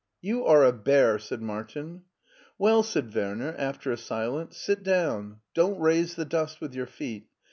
" You are a bear," said Martin. "Well," said Werner, after a silence, "sit down; don't raise the dust with your feet.